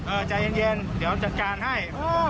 เออใจเย็นเดี๋ยวเราจัดการให้